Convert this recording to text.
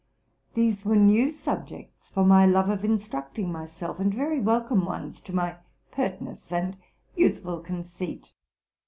These were new subjects for my love of instructing myself, and very welcome ones to my pertness and youthful conceit.